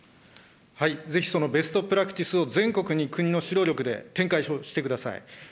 ぜひそのベストプラクティスを、全国に国の指導力で展開してください。